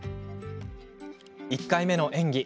１回目の演技。